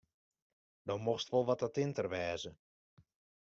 Do mochtst wol wat attinter wêze.